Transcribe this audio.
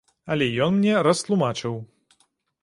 Але ён мне растлумачыў.